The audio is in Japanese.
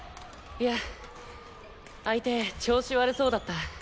いや相手調子悪そうだった。